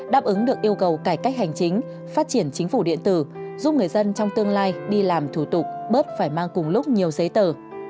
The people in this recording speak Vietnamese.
đáp ứng được yêu cầu cải cách hành chính phát triển chính phủ điện tử giúp người dân trong tương lai đi làm thủ tục bớt phải mang cùng lúc nhiều giấy tờ